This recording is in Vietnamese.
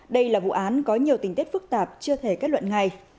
đây là vụ án có nhiều tình tiết phức tạp chưa thể kết luận ngay